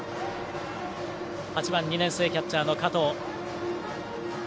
８番、２年生キャッチャー加藤が打席。